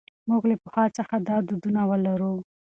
موږ له پخوا څخه دا دودونه لرو.